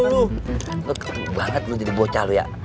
lo ketuk banget lo jadi bocah lo ya